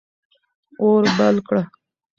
اور بل کړه.